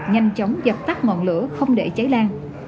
nhanh chóng dập tắt ngọn lửa không để cháy lan